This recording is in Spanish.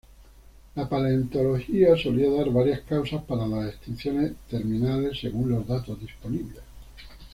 La paleontología solía dar varias causas para las extinciones terminales según los datos disponibles.